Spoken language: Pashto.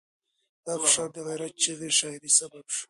دا فشار د غیرت چغې شاعرۍ سبب شو.